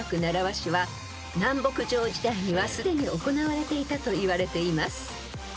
［南北朝時代にはすでに行われていたといわれています］